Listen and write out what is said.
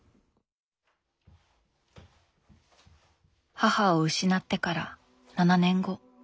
母を失ってから７年後。